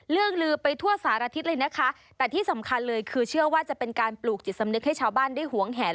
ลือไปทั่วสารทิศเลยนะคะแต่ที่สำคัญเลยคือเชื่อว่าจะเป็นการปลูกจิตสำนึกให้ชาวบ้านได้หวงแหน